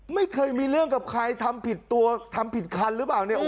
ไม่เคยมีเรื่องกับใครทำผิดตัวทำผิดคันหรือเปล่าเนี่ย